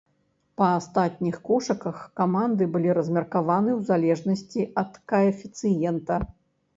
Па астатніх кошыках каманды былі размеркаваны ў залежнасці ад каэфіцыента.